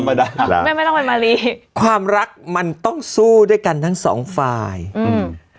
แม่ไม่ต้องเป็นมารีความรักมันต้องสู้ด้วยกันทั้งสองฝ่ายอืม